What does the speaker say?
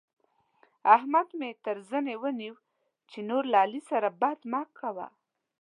احمد مې تر زنه ونيو چې نور له علي سره بد مه کوه.